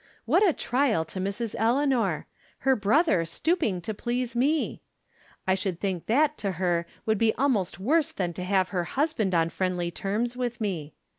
What a trial to Mrs. Eleanor. Her brother stooping to please me ! I should think that to her would be almost worse than to have her husband on friendly terms with me.